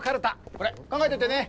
これ考えといてね。